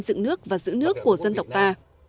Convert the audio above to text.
dựng nước và giữ nước của dân tộc ta